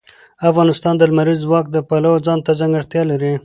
افغانستان د لمریز ځواک د پلوه ځانته ځانګړتیا لري.